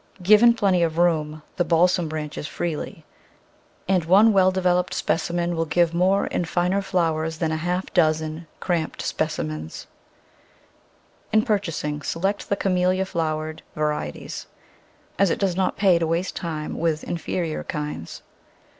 Given plenty of room, the Balsam branches freely, and one well developed specimen will give more and finer flowers than a half dozen cramped specimens. In purchasing select the camellia flowered Digitized by Google Ten] annual* from feeeti "> 3 varieties, as it does not pay to waste time with in ferior kinds.